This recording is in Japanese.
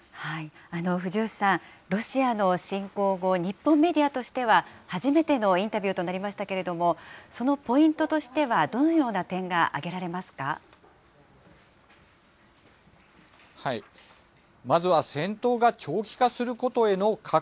藤吉さん、ロシアの侵攻後、日本メディアとしては、初めてのインタビューとなりましたけれども、そのポイントとしては、どのような点が挙げられますか？